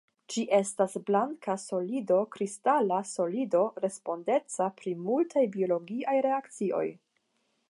Ĝi estas blanka solido kristala solido respondeca pri multaj biologiaj reakcioj.